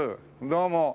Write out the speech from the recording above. どうも。